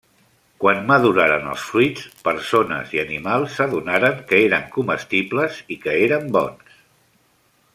Quan maduraren els fruits, persones i animals s'adonaren que eren comestibles i que eren bons.